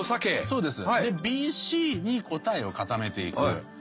そうです。